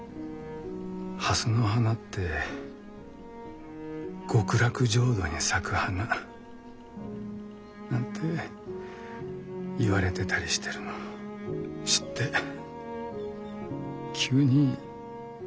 蓮の花って極楽浄土に咲く花。なんて言われてたりしてるの知って急に親近感湧いてね。